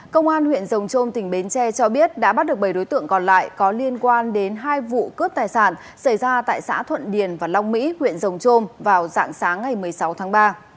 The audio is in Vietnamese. công an huyện rồng trôm tỉnh bến tre cho biết đã bắt được bảy đối tượng còn lại có liên quan đến hai vụ cướp tài sản xảy ra tại xã thuận điền và long mỹ huyện rồng trôm vào dạng sáng ngày một mươi sáu tháng ba